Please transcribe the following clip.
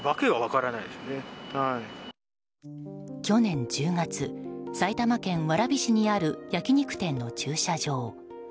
去年１０月、埼玉県蕨市にある焼き肉店の駐車場。